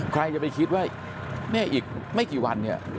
ใครจะไปคิดว่านี่อีกไม่กี่วัน